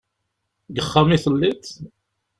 Deg uxxam i telliḍ?